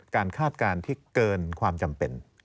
คาดการณ์ที่เกินความจำเป็น